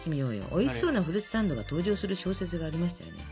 おいしそうなフルーツサンドが登場する小説がありましたよね。